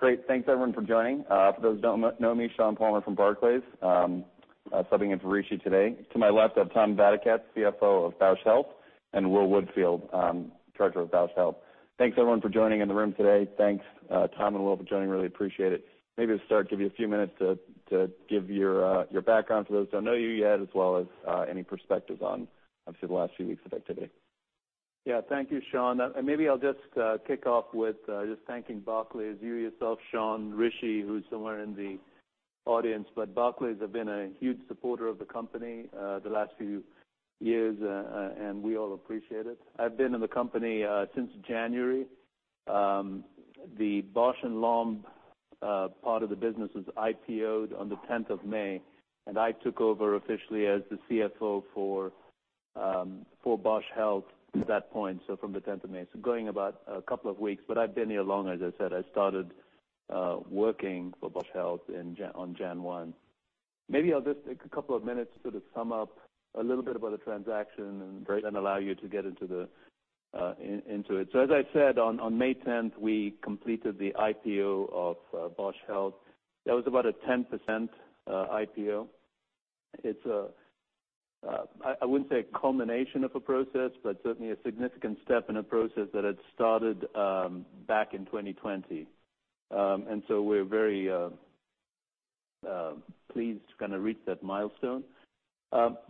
Great. Thanks everyone for joining. For those who don't know me, Sean Palmer from Barclays, subbing in for Rishi today. To my left, I have Tom Vadaketh, CFO of Bausch Health, and Will Woodfield, Treasurer of Bausch Health. Thanks everyone for joining in the room today. Thanks, Tom and Will for joining, really appreciate it. Maybe to start, give you a few minutes to give your background for those who don't know you yet, as well as any perspectives on obviously the last few weeks of activity. Yeah. Thank you, Sean. Maybe I'll just kick off with just thanking Barclays, you yourself, Sean, Rishi, who's somewhere in the audience. Barclays have been a huge supporter of the company the last few years, and we all appreciate it. I've been in the company since January. The Bausch + Lomb part of the business was IPO'd on the 10 May, and I took over officially as the CFO for Bausch Health at that point, from the 10 May, going about a couple of weeks. I've been here longer, as I said. I started working for Bausch Health on 1 January. Maybe I'll just take a couple of minutes to sort of sum up a little bit about the transaction and then allow you to get into it. As I said, on 10 May, we completed the IPO of Bausch + Lomb. That was about a 10% IPO. I wouldn't say a culmination of a process, but certainly a significant step in a process that had started back in 2020. We're very pleased to kind of reach that milestone.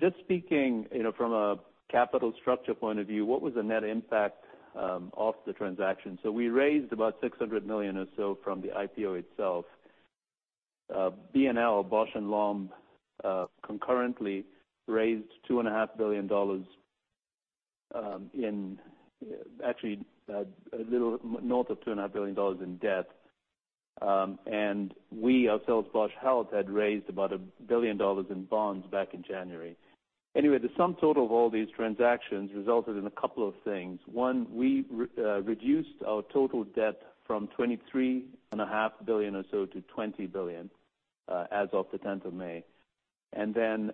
Just speaking, you know, from a capital structure point of view, what was the net impact of the transaction? We raised about $600 million or so from the IPO itself. BNL, Bausch + Lomb, concurrently raised $2.5 billion, actually a little north of $2.5 billion, in debt. We ourselves, Bausch Health, had raised about $1 billion in bonds back in January. Anyway, the sum total of all these transactions resulted in a couple of things. One, we reduced our total debt from $23 and a half billion or so to $20 billion as of the 10 May.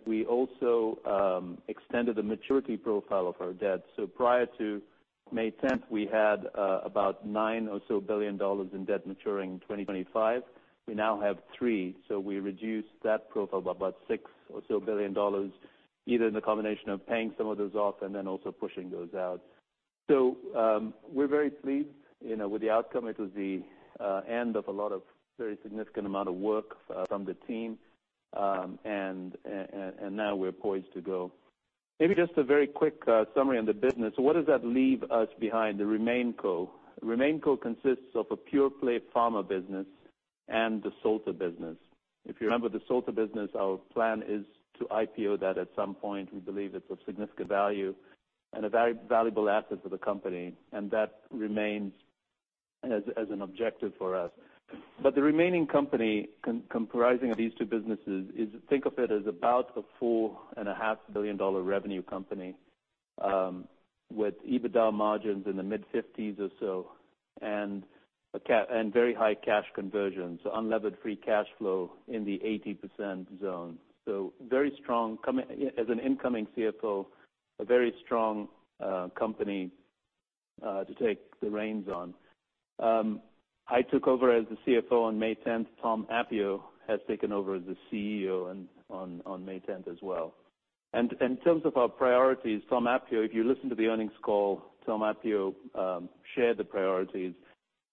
We also extended the maturity profile of our debt. Prior to 10 May, we had about $9 billion or so in debt maturing in 2025. We now have $3 billion, so we reduced that profile by about $6 billion or so, either in the combination of paying some of those off and then also pushing those out. We're very pleased, you know, with the outcome. It was the end of a lot of very significant amount of work from the team. Now we're poised to go. Maybe just a very quick summary on the business. What does that leave us with, the RemainCo? RemainCo consists of a pure-play pharma business and the Solta business. If you remember the Solta business, our plan is to IPO that at some point. We believe it's of significant value and a very valuable asset for the company, and that remains as an objective for us. The remaining company comprising of these two businesses is, think of it as about a $4.5 billion revenue company, with EBITDA margins in the mid-50s% or so and very high cash conversion, so unlevered free cash flow in the 80% zone. Very strong. As an incoming CFO, a very strong company to take the reins on. I took over as the CFO on 10 May. Tom Appio has taken over as the CEO on 10 May as well. In terms of our priorities, Tom Appio, if you listened to the earnings call, Tom Appio, shared the priorities.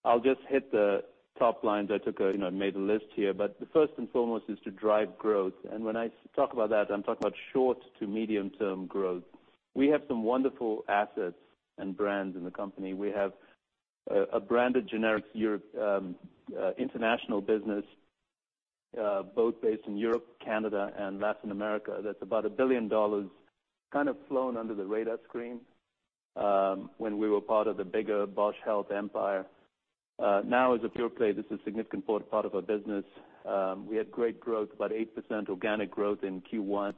I'll just hit the top lines. You know, I made a list here. The first and foremost is to drive growth. When I talk about that, I'm talking about short to medium term growth. We have some wonderful assets and brands in the company. We have a Branded Generics Europe, international business, both based in Europe, Canada and Latin America, that's about $1 billion, kind of flown under the radar screen, when we were part of the bigger Bausch Health empire. Now as a pure play, this is a significant part of our business. We had great growth, about 8% organic growth in Q1.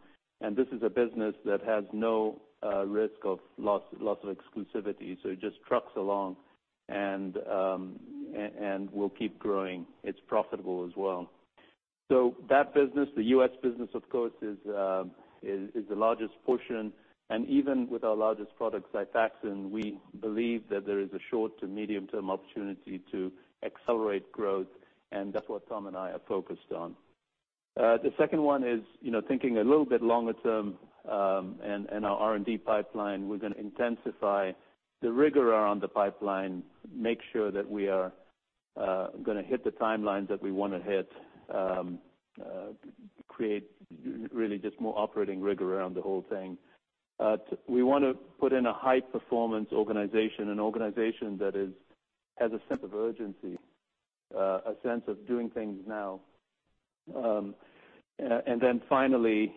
This is a business that has no risk of loss of exclusivity, so it just trucks along and will keep growing. It's profitable as well. That business, the U.S. business of course is the largest portion. Even with our largest product, Xifaxan, we believe that there is a short to medium term opportunity to accelerate growth, and that's what Tom and I are focused on. The second one is, you know, thinking a little bit longer term, and our R&D pipeline. We're gonna intensify the rigor around the pipeline, make sure that we are gonna hit the timelines that we wanna hit, create really just more operating rigor around the whole thing. We wanna put in a high-performance organization, an organization that has a sense of urgency, a sense of doing things now. Then finally,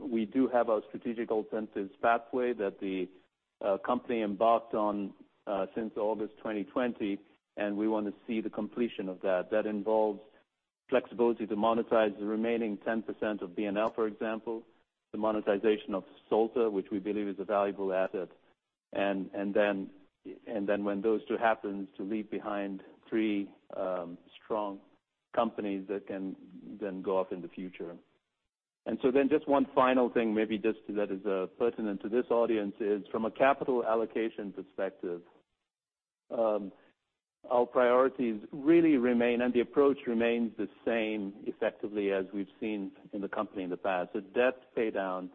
we do have our strategic alternatives pathway that the company embarked on since August 2020, and we want to see the completion of that. That involves flexibility to monetize the remaining 10% of B&L, for example, the monetization of Solta, which we believe is a valuable asset. Then when those two happen, to leave behind three strong companies that can then go off in the future. Just one final thing, maybe just that is pertinent to this audience from a capital allocation perspective, our priorities really remain, and the approach remains the same effectively as we've seen in the company in the past. The debt pay down,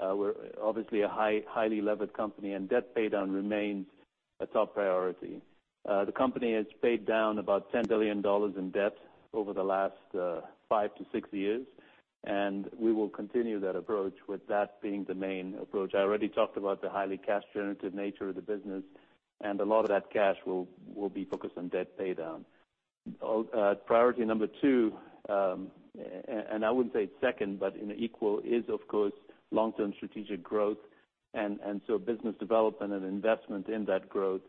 we're obviously a highly levered company, and debt pay down remains a top priority. The company has paid down about $10 billion in debt over the last five-six years, and we will continue that approach with that being the main approach. I already talked about the highly cash generative nature of the business, and a lot of that cash will be focused on debt pay down. Priority number two, and I wouldn't say it's second, but equally is of course, long-term strategic growth. Business development and investment in that growth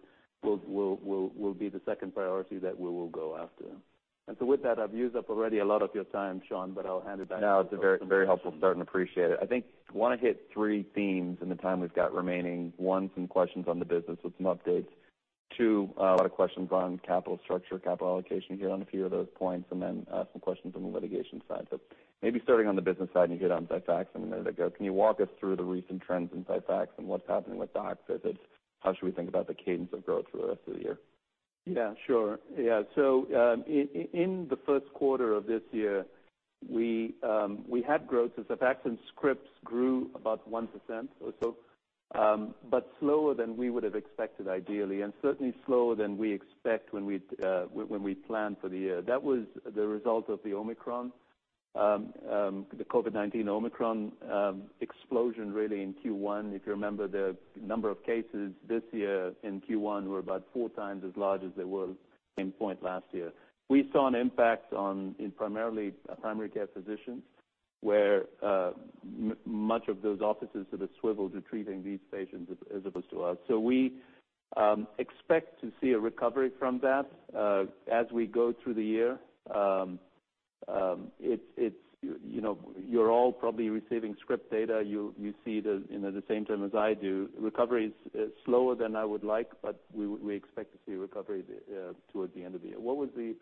will be the second priority that we will go after. With that, I've used up already a lot of your time, Sean, but I'll hand it back to you for some questions. No, it's a very helpful start and appreciate it. I think wanna hit three themes in the time we've got remaining. One, some questions on the business with some updates. Two, a lot of questions on capital structure, capital allocation here on a few of those points, and then, some questions on the litigation side. Maybe starting on the business side, and you hit on Xifaxan a minute ago. Can you walk us through the recent trends in Xifaxan? What's happening with doc visits? How should we think about the cadence of growth for the rest of the year? Yeah, sure. Yeah. In the first quarter of this year, we had growth as Xifaxan scripts grew about 1% or so, but slower than we would have expected ideally, and certainly slower than we expect when we plan for the year. That was the result of the Omicron, the COVID-19 Omicron, explosion really in Q1. If you remember, the number of cases this year in Q1 were about four times as large as they were same point last year. We saw an impact in primarily primary care physicians, where much of those offices sort of swivel to treating these patients as opposed to us. We expect to see a recovery from that as we go through the year. It's, you know, you're all probably receiving script data. You see, you know, the same term as I do. Recovery is slower than I would like, but we expect to see a recovery towards the end of the year. What was the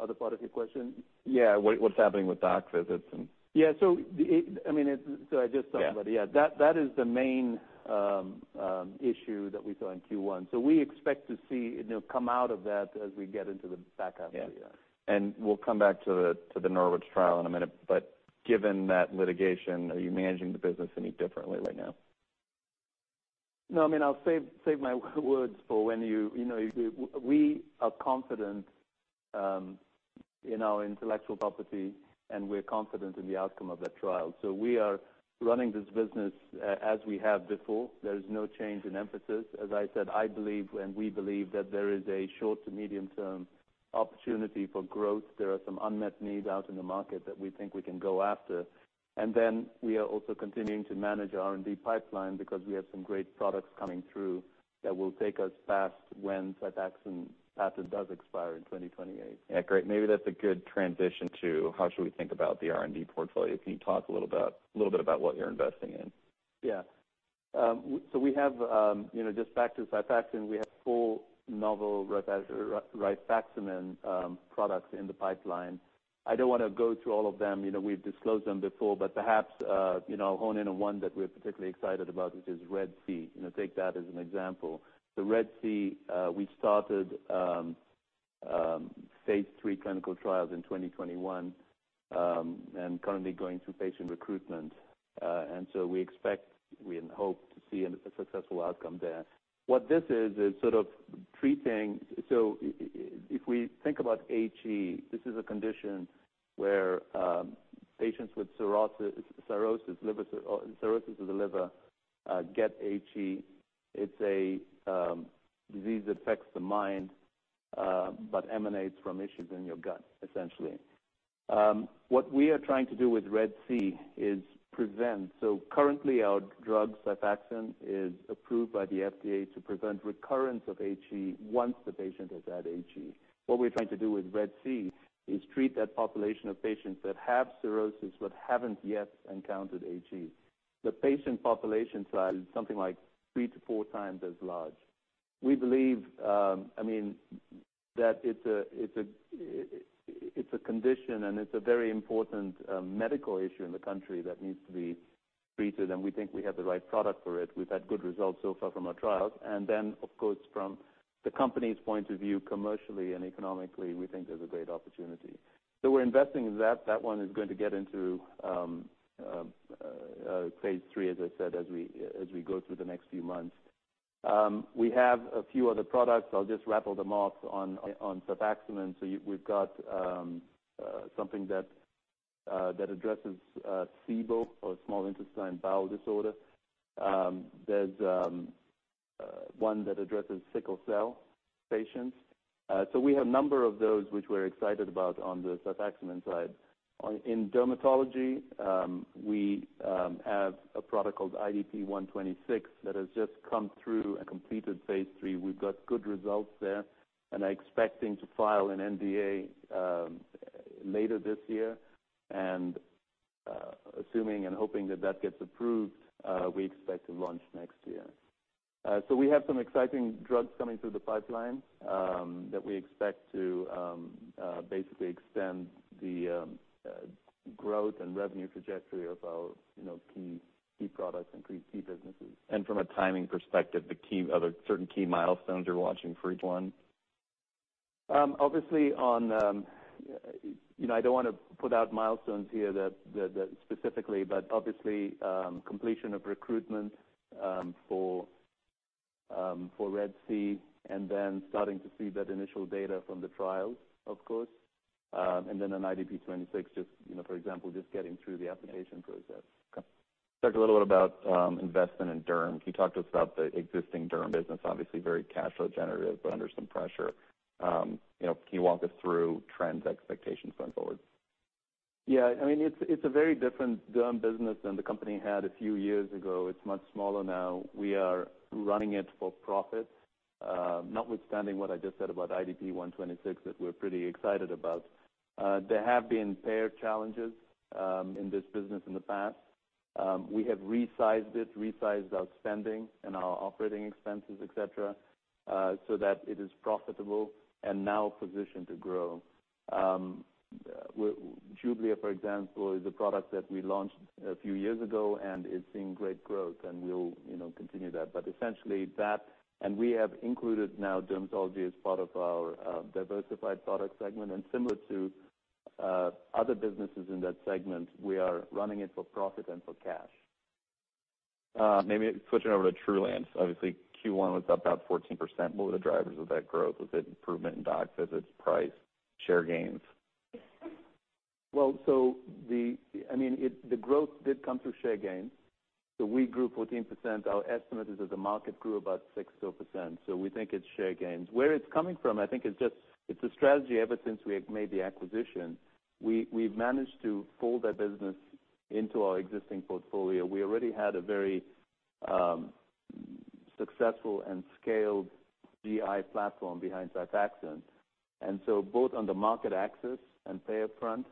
other part of your question? Yeah. What's happening with doc visits and I mean, I just talked about it. Yeah. That is the main issue that we saw in Q1. We expect to see, you know, come out of that as we get into the back half of the year. Yeah. We'll come back to the Norwich trial in a minute. Given that litigation, are you managing the business any differently right now? No. I mean, I'll save my words for when you know we are confident in our intellectual property, and we're confident in the outcome of that trial. We are running this business as we have before. There is no change in emphasis. As I said, I believe, and we believe that there is a short to medium term opportunity for growth. There are some unmet needs out in the market that we think we can go after. Then we are also continuing to manage our R&D pipeline because we have some great products coming through that will take us past when Xifaxan patent does expire in 2028. Yeah. Great. Maybe that's a good transition to how should we think about the R&D portfolio. Can you talk a little bit about what you're investing in? Yeah. We have, you know, just back to Xifaxan, we have four novel rifaximin products in the pipeline. I don't wanna go through all of them. You know, we've disclosed them before, but perhaps, you know, I'll hone in on one that we're particularly excited about, which is RED-C. You know, take that as an example. The RED-C, we started phase III clinical trials in 2021, and currently going through patient recruitment. We expect, we hope to see a successful outcome there. What this is is sort of treating HE. If we think about HE, this is a condition where patients with cirrhosis of the liver get HE. It's a disease that affects the mind, but emanates from issues in your gut, essentially. What we are trying to do with RED-C is prevent. Currently our drug, Xifaxan, is approved by the FDA to prevent recurrence of HE once the patient has had HE. What we're trying to do with RED-C is treat that population of patients that have cirrhosis but haven't yet encountered HE. The patient population size is something like 3-4x as large. We believe, I mean, that it's a condition and it's a very important medical issue in the country that needs to be treated, and we think we have the right product for it. We've had good results so far from our trials. Then of course from the company's point of view, commercially and economically, we think there's a great opportunity. We're investing in that. That one is going to get into phase three, as I said, as we go through the next few months. We have a few other products. I'll just rattle them off on rifaximin. We've got something that addresses SIBO or small intestinal bacterial overgrowth. There's one that addresses sickle cell patients. We have a number of those which we're excited about on the rifaximin side. In dermatology, we have a product called IDP-126 that has just come through and completed phase three. We've got good results there, and are expecting to file an NDA later this year. Assuming and hoping that that gets approved, we expect to launch next year. We have some exciting drugs coming through the pipeline that we expect to basically extend the growth and revenue trajectory of our, you know, key products and key businesses. From a timing perspective, certain key milestones you're watching for each one? Obviously on, you know, I don't wanna put out milestones here that specifically, but obviously, completion of recruitment for RED-C and then starting to see that initial data from the trials, of course. Then on IDP-126, just, you know, for example, just getting through the application process. Okay. Talk a little bit about investment in derm. Can you talk to us about the existing derm business? Obviously very cash flow generative, but under some pressure. You know, can you walk us through trends, expectations going forward? Yeah. I mean, it's a very different derm business than the company had a few years ago. It's much smaller now. We are running it for profit, notwithstanding what I just said about IDP-126 that we're pretty excited about. There have been payer challenges in this business in the past. We have resized it, our spending and our operating expenses, et cetera, so that it is profitable and now positioned to grow. JUBLIA, for example, is a product that we launched a few years ago, and it's seeing great growth, and we'll, you know, continue that. Essentially that. We have included now dermatology as part of our Diversified Products segment. Similar to other businesses in that segment, we are running it for profit and for cash. Maybe switching over to TRULANCE. Obviously, Q1 was up about 14%. What were the drivers of that growth? Was it improvement in doc visits, price, share gains? The growth did come through share gains. We grew 14%. Our estimate is that the market grew about 6%, so we think it's share gains. Where it's coming from, I think it's just, it's a strategy ever since we had made the acquisition. We've managed to pull that business into our existing portfolio. We already had a very successful and scaled GI platform behind Xifaxan. Both on the market access and payer front,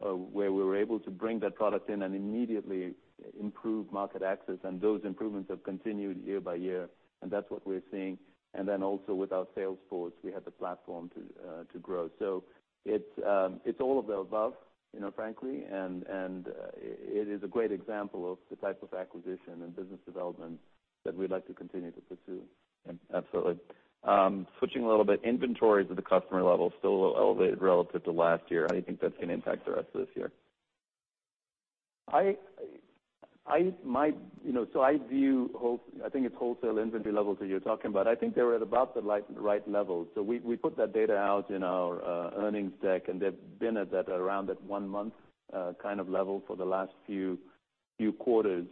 where we were able to bring that product in and immediately improve market access, and those improvements have continued year by year, and that's what we're seeing. Also with our sales force, we have the platform to grow. It's all of the above, you know, frankly, and it is a great example of the type of acquisition and business development that we'd like to continue to pursue. Absolutely. Switching a little bit, inventories at the customer level still elevated relative to last year. How do you think that's gonna impact the rest of this year? You know, I view wholesale inventory levels that you're talking about. I think they were at about the right level. We put that data out in our earnings deck, and they've been at that, around that one month kind of level for the last few quarters.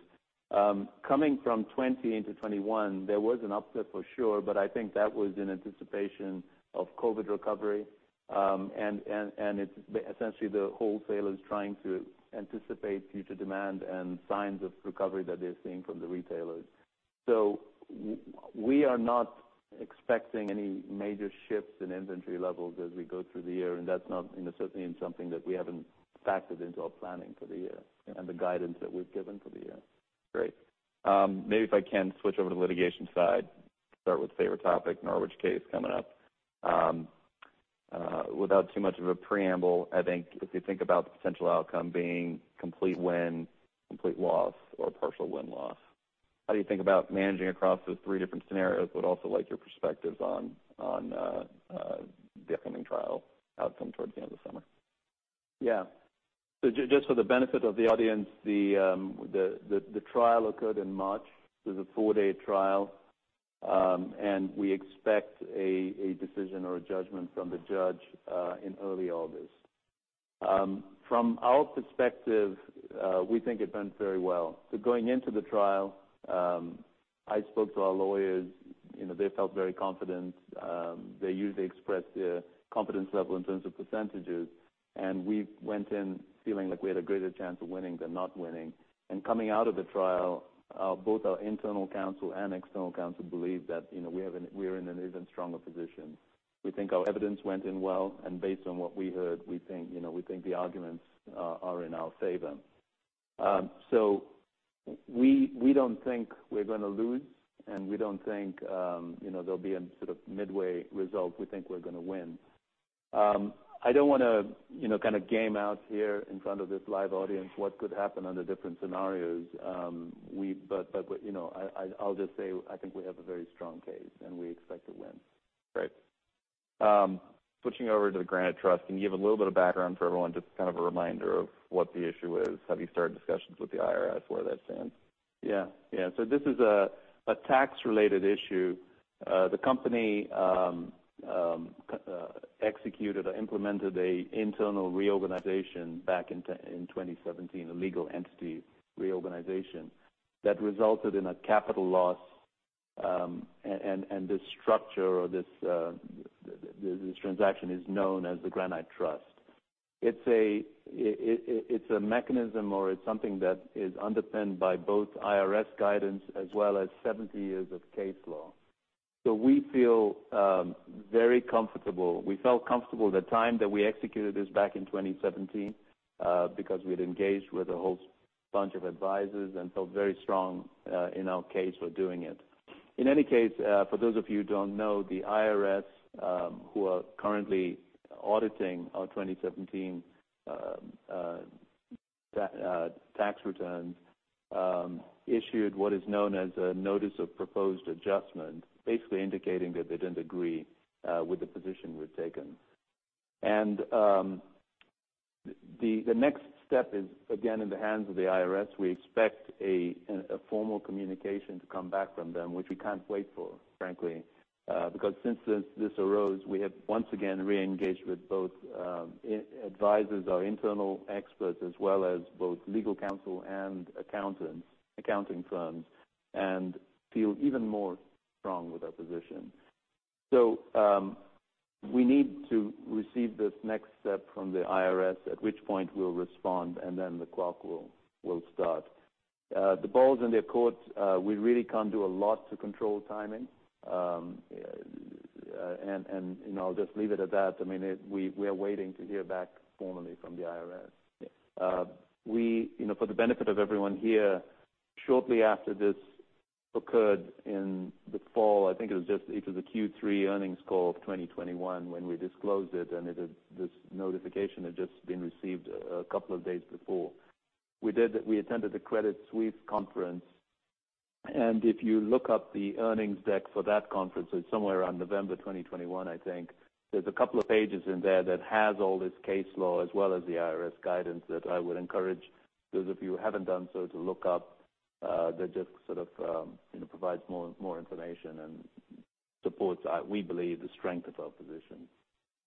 Coming from 2020 into 2021, there was an uptick for sure, but I think that was in anticipation of COVID recovery. It's essentially the wholesalers trying to anticipate future demand and signs of recovery that they're seeing from the retailers. We are not expecting any major shifts in inventory levels as we go through the year, and that's not, you know, certainly something that we haven't factored into our planning for the year and the guidance that we've given for the year. Great. Maybe if I can switch over to the litigation side, start with favorite topic, Norwich case coming up. Without too much of a preamble, I think if you think about the potential outcome being complete win, complete loss or partial win-loss, how do you think about managing across those three different scenarios, but also like your perspectives on the upcoming trial outcome towards the end of the summer? Yeah. Just for the benefit of the audience, the trial occurred in March. It was a four-day trial. We expect a decision or a judgment from the judge in early August. From our perspective, we think it went very well. Going into the trial, I spoke to our lawyers, you know, they felt very confident. They usually express their confidence level in terms of percentages, and we went in feeling like we had a greater chance of winning than not winning. Coming out of the trial, both our internal counsel and external counsel believe that, you know, we're in an even stronger position. We think our evidence went in well, and based on what we heard, we think, you know, the arguments are in our favor. We don't think we're gonna lose, and we don't think you know there'll be a sort of midway result. We think we're gonna win. I don't wanna you know kinda game out here in front of this live audience what could happen under different scenarios, but you know I'll just say, I think we have a very strong case, and we expect to win. Great. Switching over to the Granite Trust, can you give a little bit of background for everyone, just kind of a reminder of what the issue is? Have you started discussions with the IRS where that stands? Yeah. This is a tax-related issue. The company executed or implemented an internal reorganization back in 2017, a legal entity reorganization, that resulted in a capital loss. And this structure or this transaction is known as the Granite Trust. It's a mechanism or something that is underpinned by both IRS guidance as well as 70 years of case law. We feel very comfortable. We felt comfortable at the time that we executed this back in 2017 because we had engaged with a whole bunch of advisors and felt very strong in our case for doing it. In any case, for those of you who don't know, the IRS, who are currently auditing our 2017 tax returns, issued what is known as a Notice of Proposed Adjustment, basically indicating that they didn't agree with the position we've taken. The next step is, again, in the hands of the IRS. We expect a formal communication to come back from them, which we can't wait for, frankly. Because since this arose, we have once again re-engaged with both advisors, our internal experts, as well as both legal counsel and accountants, accounting firms, and feel even more strong with our position. We need to receive this next step from the IRS, at which point we'll respond, and then the clock will start. The ball's in their court. We really can't do a lot to control timing, and you know, I'll just leave it at that. I mean, we are waiting to hear back formally from the IRS. You know, for the benefit of everyone here, shortly after this occurred in the fall, I think it was the Q3 earnings call of 2021 when we disclosed it, and this notification had just been received a couple of days before. We attended the Credit Suisse conference, and if you look up the earnings deck for that conference, it's somewhere around November 2021, I think. There's a couple of pages in there that has all this case law as well as the IRS guidance that I would encourage those of you who haven't done so to look up. That just sort of, you know, provides more information and supports, we believe, the strength of our position.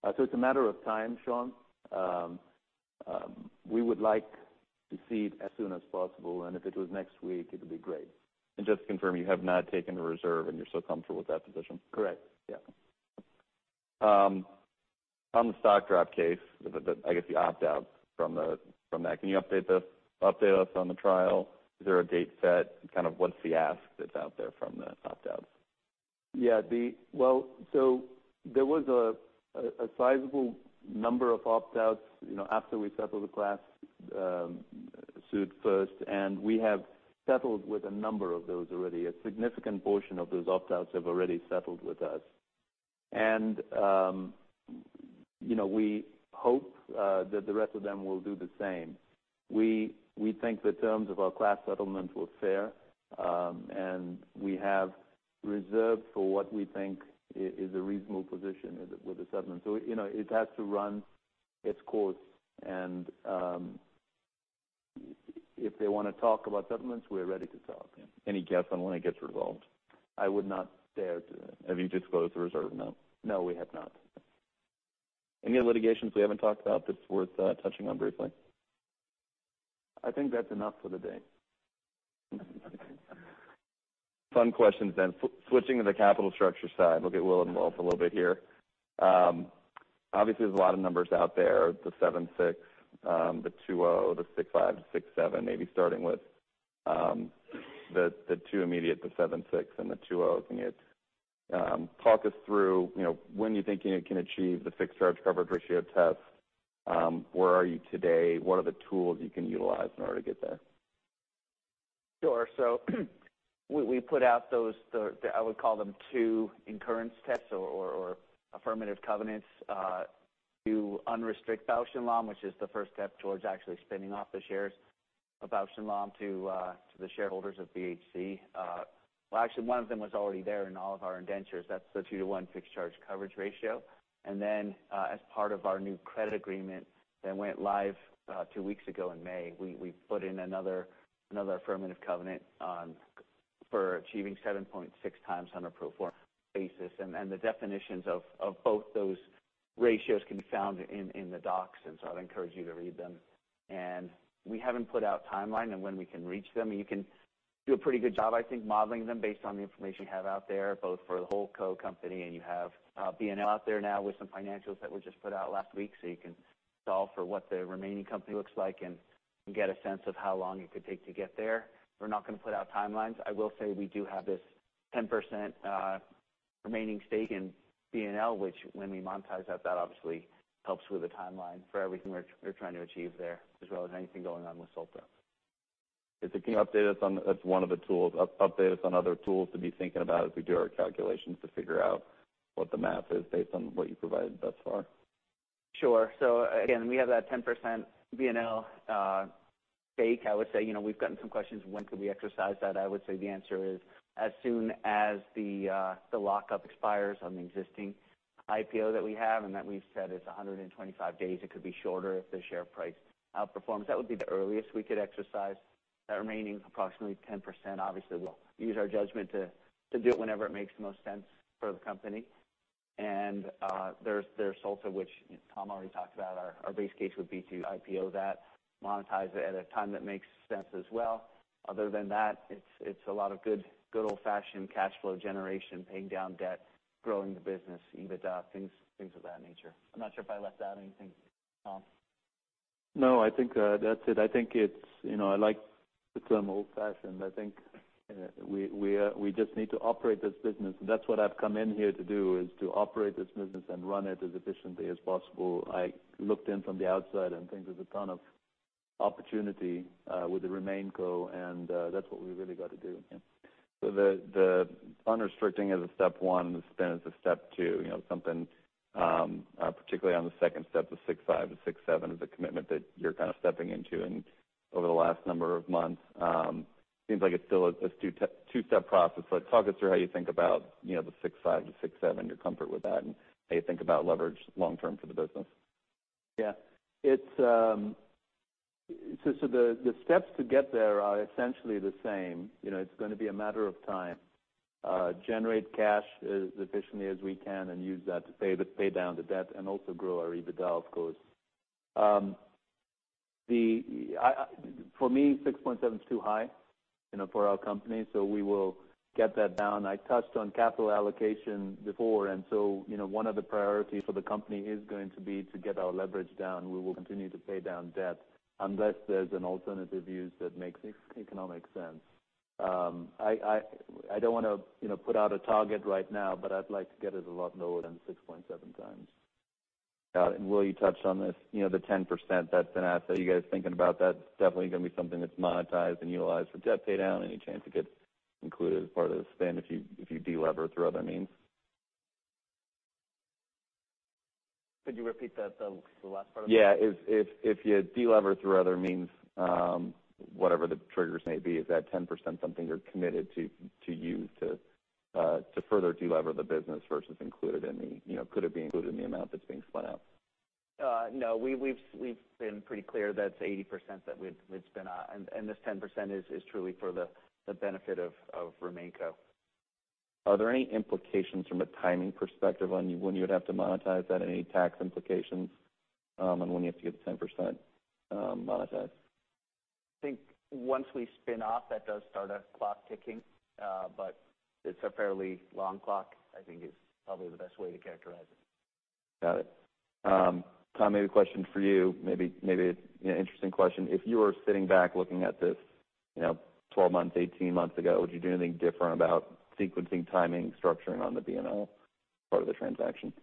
It's a matter of time, Sean. We would like to see it as soon as possible, and if it was next week, it would be great. Just to confirm, you have not taken a reserve and you're still comfortable with that position? Correct. Yeah. On the stock drop case, I guess the opt-out from that, can you update us on the trial? Is there a date set? Kind of what's the ask that's out there from the opt-outs? Well, there was a sizable number of opt-outs, you know, after we settled the class suit first, and we have settled with a number of those already. A significant portion of those opt-outs have already settled with us. We hope, you know, that the rest of them will do the same. We think the terms of our class settlement were fair, and we have reserved for what we think is a reasonable position with the settlement. You know, it has to run its course and, if they wanna talk about settlements, we're ready to talk. Any guess on when it gets resolved? I would not dare to. Have you disclosed the reserve? No. No, we have not. Any litigations we haven't talked about that's worth touching on briefly? I think that's enough for the day. Fun questions. Switching to the capital structure side, we'll get Will involved a little bit here. Obviously, there's a lot of numbers out there, the 7.6, the 2.0, the 6.5, the 6.7. Maybe starting with the two immediates, the 7.6 and the 2.0s, can you talk us through, you know, when you're thinking it can achieve the fixed charge coverage ratio test? Where are you today? What are the tools you can utilize in order to get there? Sure. We put out those, I would call them two incurrence tests or affirmative covenants, to unrestrict Bausch + Lomb, which is the first step towards actually spinning off the shares of Bausch + Lomb to the shareholders of BHC. Well, actually, one of them was already there in all of our indentures. That's the two-to-one fixed charge coverage ratio. As part of our new credit agreement that went live two weeks ago in May, we put in another affirmative covenant for achieving 7.6x on a pro forma basis. The definitions of both those ratios can be found in the docs, so I'd encourage you to read them. We haven't put out timeline on when we can reach them. You can do a pretty good job, I think, modeling them based on the information you have out there, both for the whole company, and you have B&L out there now with some financials that were just put out last week, so you can solve for what the remaining company looks like and get a sense of how long it could take to get there. We're not gonna put out timelines. I will say we do have this 10% remaining stake in B&L, which when we monetize that obviously helps with the timeline for everything we're trying to achieve there, as well as anything going on with Solta. That's one of the tools. Update us on other tools to be thinking about as we do our calculations to figure out what the math is based on what you provided thus far? Sure. Again, we have that 10% B&L stake. I would say, you know, we've gotten some questions, when could we exercise that? I would say the answer is as soon as the lockup expires on the existing IPO that we have, and that we've said is 125 days. It could be shorter if the share price outperforms. That would be the earliest we could exercise that remaining approximately 10%. Obviously, we'll use our judgment to do it whenever it makes the most sense for the company. There's Solta, which Tom already talked about. Our base case would be to IPO that, monetize it at a time that makes sense as well. Other than that, it's a lot of good old-fashioned cash flow generation, paying down debt, growing the business, EBITDA, things of that nature. I'm not sure if I left out anything, Tom. No, I think that's it. I think it's, you know, I like the term old-fashioned. I think we just need to operate this business. That's what I've come in here to do, is to operate this business and run it as efficiently as possible. I looked in from the outside and think there's a ton of opportunity with the RemainCo, and that's what we really got to do. Yeah. The unrestricting is step one, the spin is step two. You know, something particularly on the second step, the 6.5-6.7 is a commitment that you're kind of stepping into. Over the last number of months, seems like it's still this two-step process. Talk us through how you think about, you know, the 6.5-6.7, your comfort with that, and how you think about leverage long-term for the business. Yeah. It's so the steps to get there are essentially the same. You know, it's gonna be a matter of time, generate cash as efficiently as we can and use that to pay down the debt and also grow our EBITDA, of course. I, for me, 6.7's too high, you know, for our company, so we will get that down. I touched on capital allocation before, and so, you know, one of the priorities for the company is going to be to get our leverage down. We will continue to pay down debt unless there's an alternative use that makes economic sense. I don't wanna, you know, put out a target right now, but I'd like to get it a lot lower than 6.7x. Got it. Will, you touched on this, you know, the 10% that's been asked, are you guys thinking about that's definitely gonna be something that's monetized and utilized for debt pay down? Any chance it gets included as part of the spin if you, if you de-lever through other means? Could you repeat that, the last part of that? Yeah. If you delever through other means, whatever the triggers may be, is that 10% something you're committed to use to further delever the business versus included in the, you know, could it be included in the amount that's being spun out? No. We've been pretty clear that it's 80% that we'd spin out, and this 10% is truly for the benefit of RemainCo. Are there any implications from a timing perspective on when you would have to monetize that? Any tax implications on when you have to get the 10% monetized? I think once we spin off, that does start a clock ticking, but it's a fairly long clock, I think is probably the best way to characterize it. Got it. Tom, maybe a question for you, maybe an interesting question. If you were sitting back looking at this, you know, 12 months, 18 months ago, would you do anything different about sequencing, timing, structuring on the B+L part of the transaction?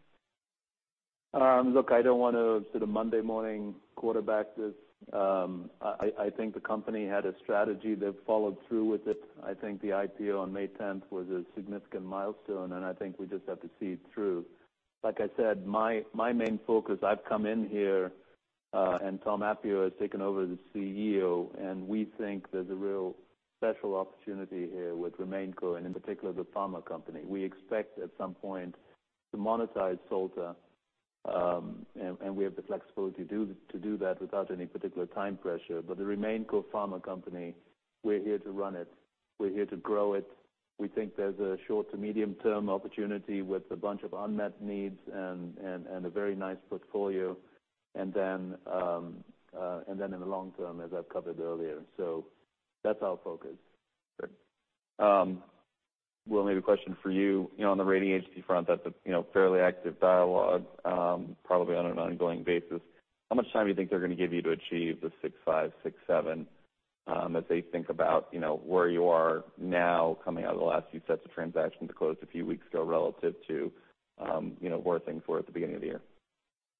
Look, I don't want to sort of Monday morning quarterback this. I think the company had a strategy. They've followed through with it. I think the IPO on 10 May was a significant milestone, and I think we just have to see it through. Like I said, my main focus, I've come in here, and Tom Appio has taken over as CEO, and we think there's a real special opportunity here with RemainCo, and in particular, the pharma company. We expect at some point to monetize Solta, and we have the flexibility to do that without any particular time pressure. The RemainCo pharma company, we're here to run it. We're here to grow it. We think there's a short to medium term opportunity with a bunch of unmet needs and a very nice portfolio, and then in the long term, as I've covered earlier. That's our focus. Sure. Will, maybe a question for you. You know, on the rating agency front, that's a you know, fairly active dialogue, probably on an ongoing basis. How much time do you think they're gonna give you to achieve the 6.5, 6.7, as they think about, you know, where you are now coming out of the last few sets of transactions that closed a few weeks ago relative to, you know, where things were at the beginning of the year?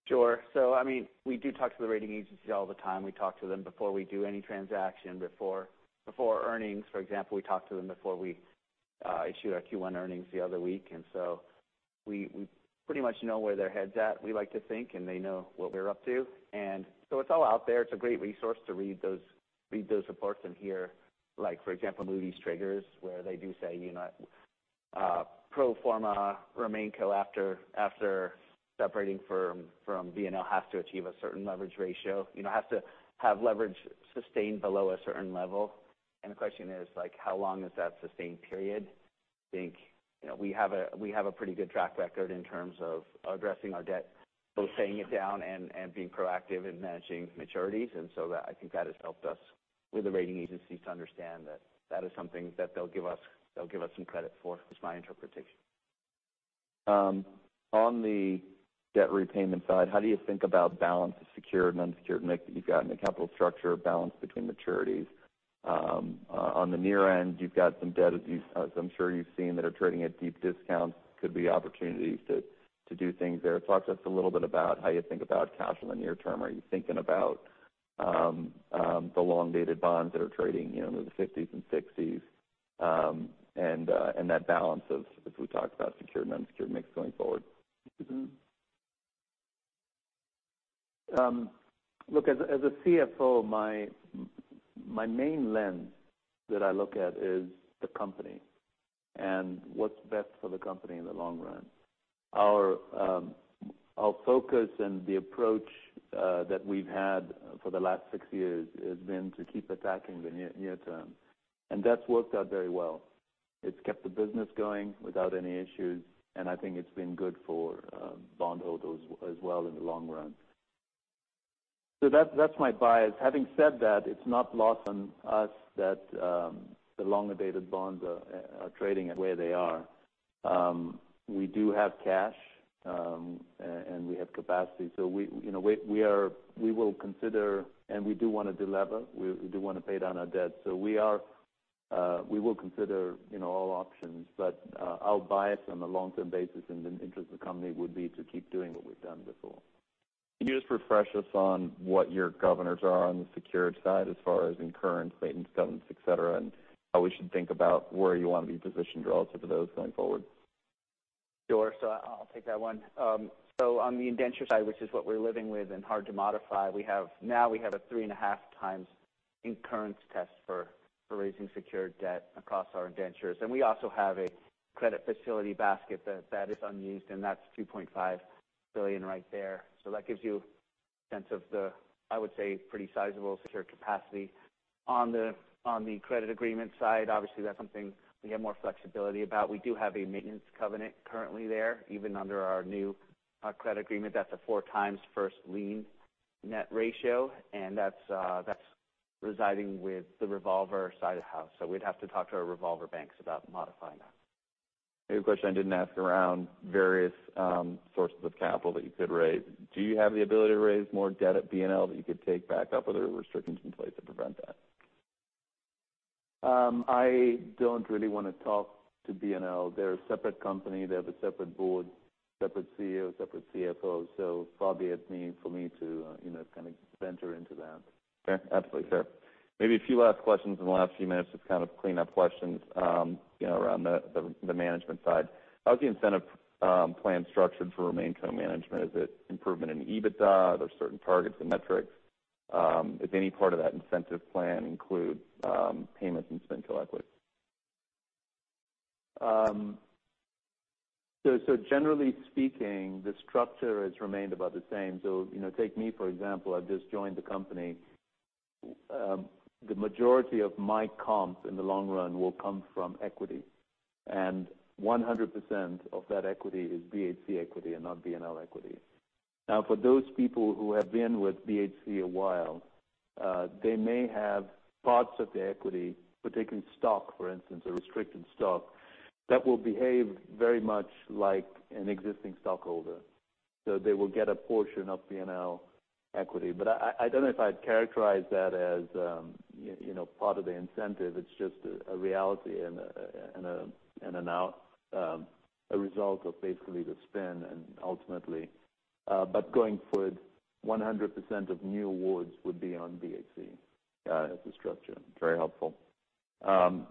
Sure. I mean, we do talk to the rating agencies all the time. We talk to them before we do any transaction, before earnings. For example, we talked to them before we issued our Q1 earnings the other week. We pretty much know where their head's at, we like to think, and they know what we're up to. It's all out there. It's a great resource to read those reports and hear, like for example, Moody's triggers, where they do say, you know, pro forma RemainCo after separating from Bausch + Lomb has to achieve a certain leverage ratio, you know, has to have leverage sustained below a certain level. The question is, like, how long is that sustained period? I think, you know, we have a pretty good track record in terms of addressing our debt, both paying it down and being proactive in managing maturities. That, I think, has helped us with the rating agencies to understand that is something that they'll give us some credit for, is my interpretation. On the debt repayment side, how do you think about balance of secured and unsecured mix that you've got in the capital structure, balance between maturities? On the near end, you've got some debt, as I'm sure you've seen, that are trading at deep discounts. Could be opportunities to do things there. Talk to us a little bit about how you think about cash in the near term. Are you thinking about the long-dated bonds that are trading, you know, in the 50s and 60s, and that balance of, as we talked about, secured and unsecured mix going forward? Look, as a CFO, my main lens that I look at is the company and what's best for the company in the long run. Our focus and the approach that we've had for the last six years has been to keep attacking the near term, and that's worked out very well. It's kept the business going without any issues, and I think it's been good for bondholders as well in the long run. That's my bias. Having said that, it's not lost on us that the longer-dated bonds are trading at where they are. We do have cash and we have capacity. We will consider, and we do wanna delever. We do wanna pay down our debt. We will consider all options. Our bias on the long-term basis in the interest of the company would be to keep doing what we've done before. Can you just refresh us on what your covenants are on the secured side as far as incurrence, maintenance covenants, et cetera, and how we should think about where you wanna be positioned relative to those going forward? Sure. I'll take that one. On the indenture side, which is what we're living with and hard to modify, we have a 3.5x incurrence test for raising secured debt across our indentures. We also have a credit facility basket that is unused, and that's $2.5 billion right there. That gives you a sense of the, I would say, pretty sizable secured capacity. On the credit agreement side, obviously, that's something we have more flexibility about. We do have a maintenance covenant currently there, even under our new credit agreement. That's a 4x first lien net leverage ratio, and that's residing with the revolver side of house. We'd have to talk to our revolver banks about modifying that. Maybe a question I didn't ask around various sources of capital that you could raise. Do you have the ability to raise more debt at BLCO that you could take back up? Are there restrictions in place that prevent that? I don't really wanna talk to B&L. They're a separate company. They have a separate board, separate CEO, separate CFO. Probably it's mean for me to, you know, kind of venture into that. Fair. Absolutely fair. Maybe a few last questions in the last few minutes, just to kind of clean up questions, you know, around the management side. How is the incentive plan structured for RemainCo management? Is it improvement in EBITDA? Are there certain targets and metrics? Does any part of that incentive plan include payments in SPINCO equity? Generally speaking, the structure has remained about the same. You know, take me for example, I've just joined the company. The majority of my comp in the long run will come from equity, and 100% of that equity is BHC equity and not B&L equity. Now for those people who have been with BHC a while, they may have parts of the equity, particularly stock, for instance, a restricted stock, that will behave very much like an existing stockholder. They will get a portion of B&L equity. I don't know if I'd characterize that as, you know, part of the incentive. It's just a reality and an outcome, a result of basically the spin and ultimately. Going forward, 100% of new awards would be on BHC, as the structure. Very helpful.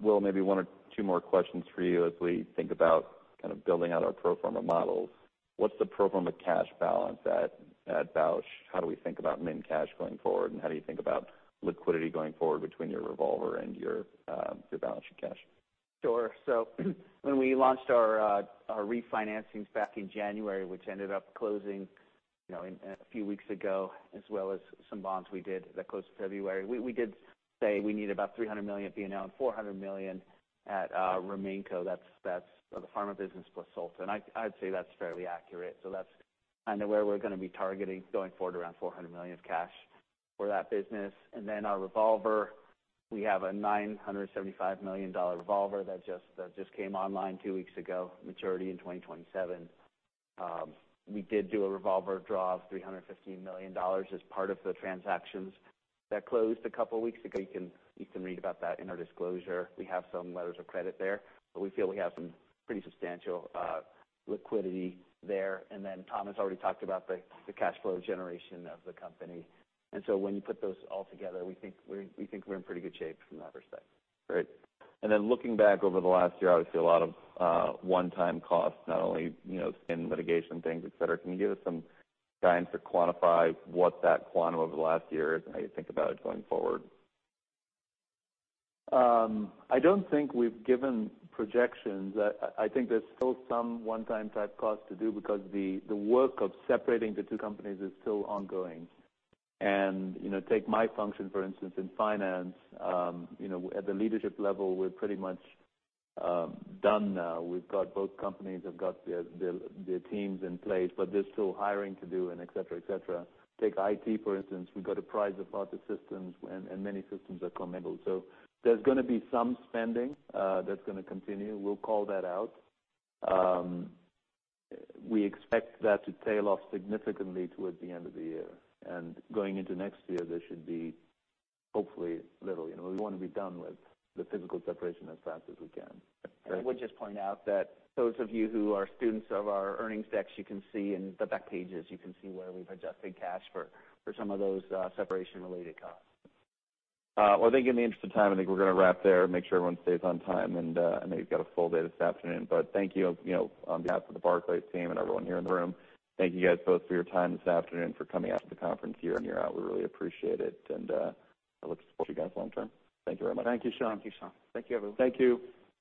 Will, maybe one or two more questions for you as we think about kind of building out our pro forma models. What's the pro forma cash balance at Bausch? How do we think about min cash going forward, and how do you think about liquidity going forward between your revolver and your balance sheet cash? Sure. When we launched our re-financings back in January, which ended up closing, you know, in a few weeks ago, as well as some bonds we did that closed in February, we did say we need about $300 million at B&L and $400 million at RemainCo. That's the pharma business plus Solta. I'd say that's fairly accurate. That's kinda where we're gonna be targeting going forward around $400 million of cash for that business. Then our revolver, we have a $975 million revolver that just came online two weeks ago, maturity in 2027. We did do a revolver draw of $315 million as part of the transactions that closed a couple weeks ago. You can read about that in our disclosure. We have some letters of credit there, but we feel we have some pretty substantial liquidity there. Thomas already talked about the cash flow generation of the company. When you put those all together, we think we're in pretty good shape from that perspective. Great. Looking back over the last year, obviously a lot of one-time costs, not only, you know, spin litigation things, et cetera. Can you give us some guidance or quantify what that quantum over the last year is and how you think about it going forward? I don't think we've given projections. I think there's still some one-time type costs to do because the work of separating the two companies is still ongoing. You know, take my function, for instance, in finance, you know, at the leadership level, we're pretty much done now. We've got both companies have got their teams in place, but there's still hiring to do and et cetera. Take IT, for instance. We've got to prize apart the systems and many systems are commingled. There's gonna be some spending that's gonna continue. We'll call that out. We expect that to tail off significantly towards the end of the year. Going into next year, there should be hopefully little. You know, we wanna be done with the physical separation as fast as we can. Great. I would just point out that those of you who are students of our earnings decks, you can see in the back pages where we've adjusted cash for some of those separation-related costs. I think in the interest of time, I think we're gonna wrap there and make sure everyone stays on time. I know you've got a full day this afternoon. Thank you know, on behalf of the Barclays team and everyone here in the room. Thank you guys both for your time this afternoon, for coming out to the conference here when you're out. We really appreciate it, and I look forward to support you guys long term. Thank you very much. Thank you, Sean. Thank you, Sean. Thank you, everyone. Thank you.